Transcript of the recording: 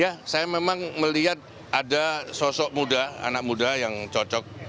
ya saya memang melihat ada sosok muda anak muda yang cocok